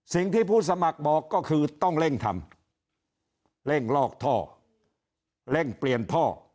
ผู้สมัครบอกก็คือต้องเร่งทำเร่งลอกท่อเร่งเปลี่ยนท่อ